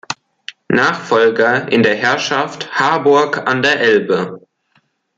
Nachfolger in der Herrschaft Harburg an der Elbe.